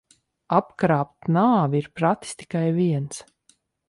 Apkrāpt nāvi ir pratis tikai viens.